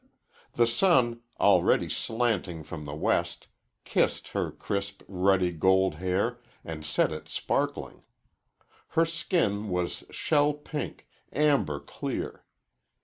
The sun, already slanting from the west, kissed her crisp, ruddy gold hair and set it sparkling. Her skin was shell pink, amber clear.